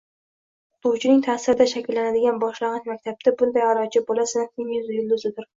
o‘qituvchining taʼsirida shakllanadigan boshlang‘ich maktabda bunday aʼlochi bola – sinfning yuzi, yulduzidir.